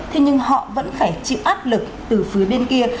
thế nhưng họ vẫn phải chịu áp lực từ phía bên kia